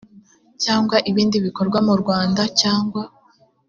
cyangwa ibindi bikorwa mu rwanda cyangwa